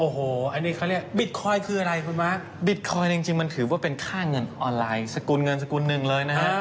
โอ้โหอันนี้เขาเรียกบิตคอยน์คืออะไรคุณม้าบิตคอยน์จริงมันถือว่าเป็นค่าเงินออนไลน์สกุลเงินสกุลหนึ่งเลยนะฮะ